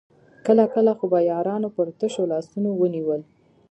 کله کله خو به يارانو پر تشو لاسونو ونيول.